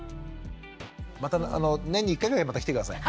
また年に１回ぐらいまた来て下さい。